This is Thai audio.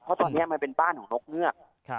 เพราะตรงนี้มันเป็นบ้านของนกเงือก